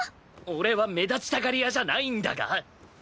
俺は目立ちたがり屋じゃないんだが？